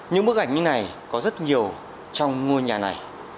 những bức ảnh như này có rất nhiều trong ngôi nhà này